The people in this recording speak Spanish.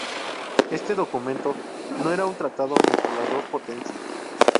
Este documento no era un tratado entre las dos potencias.